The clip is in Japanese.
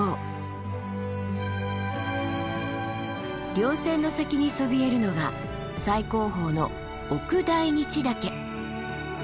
稜線の先にそびえるのが最高峰の奥大日岳。